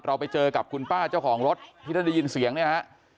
ไปเจอกับคุณป้าเจ้าของรถที่ท่านได้ยินเสียงเนี่ยฮะ